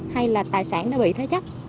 hay là tài sản đã bị thế chấp